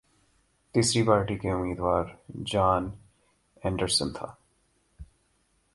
تیسری پارٹی کے امیدوار جان اینڈرسن تھا